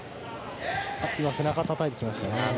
今、背中をたたいてきましたね。